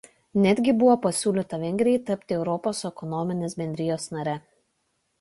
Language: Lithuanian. Netgi buvo pasiūlyta Vengrijai tapti Europos ekonominės bendrijos nare.